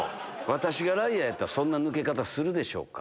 私がライアーやったらそんな抜け方するでしょうか。